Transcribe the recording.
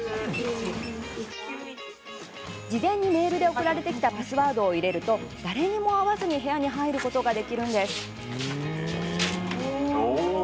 事前にメールで送られてきたパスワードを入れると誰にも会わずに部屋に入ることができるんです。